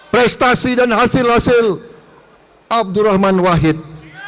prestasi dan hasil hasil abdurrahman wahid